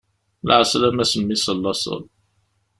Lɛeslama s mmi-s n laṣel.